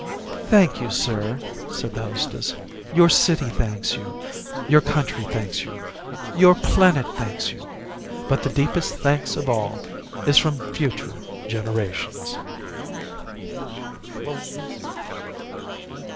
"Thank you, sir," said the hostess. "Your city thanks you; your country thanks you; your planet thanks you. But the deepest thanks of all is from future generations."